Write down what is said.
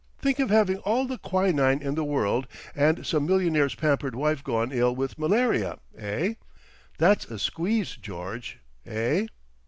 Think of having all the quinine in the world, and some millionaire's pampered wife gone ill with malaria, eh? That's a squeeze, George, eh?